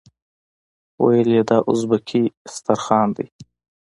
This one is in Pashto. ویل یې دا ازبکي دسترخوان دی.